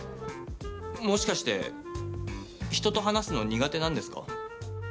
もしかして人と話すの苦手なんですか？